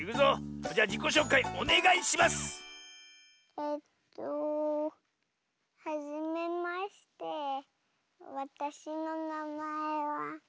えっとはじめましてわたしのなまえはスイです。